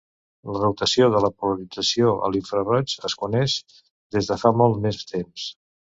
La rotació de la polarització a l'infraroig es coneix des de fa molt més temps.